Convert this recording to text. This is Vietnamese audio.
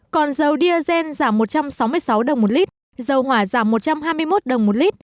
còn dầu diagen giảm một trăm sáu mươi sáu đồng một lit dầu hỏa giảm một trăm hai mươi một đồng một lit